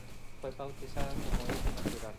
Fue bautizada como hija natural.